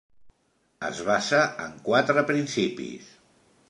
Es basa en quatre principis.